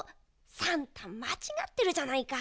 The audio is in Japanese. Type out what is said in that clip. さんたまちがってるじゃないか！